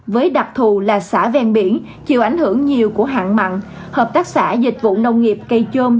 với đặc thù là xã ven biển chịu ảnh hưởng nhiều của hạn mặn hợp tác xã dịch vụ nông nghiệp cây chôm